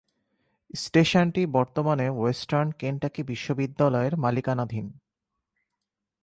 স্টেশনটি বর্তমানে Western Kentucky বিশ্ববিদ্যালয়ের মালিকানাধীন।